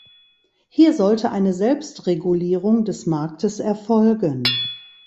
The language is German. Hier sollte eine Selbstregulierung des Marktes erfolgen.